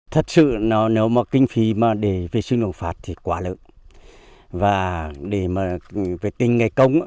thật sự nếu mà kinh phí để vệ sinh nổ phạt thì quá lượng